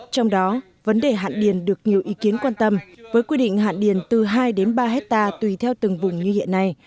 trong đó vấn đề hạn điền được nhiều ý kiến quan tâm với quy định hạn điền từ hai đến ba hectare tùy theo từng vùng như hiện nay